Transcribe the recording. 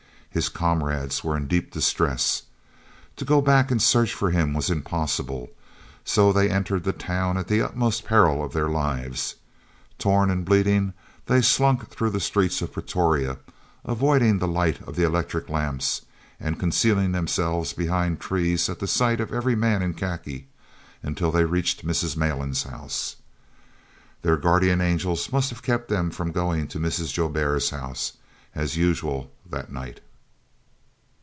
His comrades were in deep distress. To go back and search for him was impossible, so they entered the town at the utmost peril of their lives. Torn and bleeding, they slunk through the streets of Pretoria, avoiding the light of the electric lamps, and concealing themselves behind trees at the sight of every man in khaki, until they reached Mrs. Malan's house. Their guardian angels must have kept them from going to Mrs. Joubert's house, as usual, that night.